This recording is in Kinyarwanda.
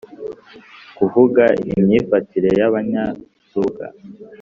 -kuvuga imyifatire y’abanyarubuga;